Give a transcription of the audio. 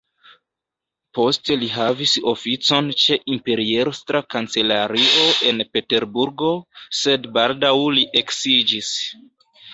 Poste li havis oficon ĉe imperiestra kancelario en Peterburgo, sed baldaŭ li eksiĝis.